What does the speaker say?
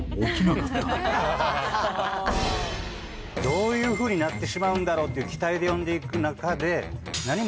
どういうふうになってしまうんだろうっていう期待で読んで行く中で。